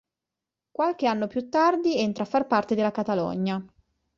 Qualche anno più tardi entra a far parte della Catalogna.